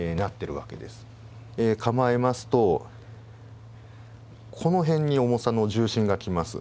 構えますとこの辺に重さの重心が来ます。